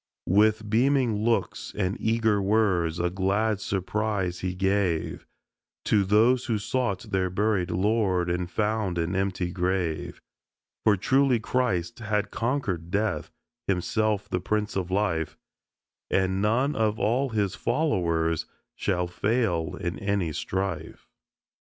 With beaming looks and eager words a glad surprise He gave To those who sought their buried Lord and found an empty grave; For truly Christ had conquered death, Himself the Prince of Life, And none of all His Followers shall fail in any strife.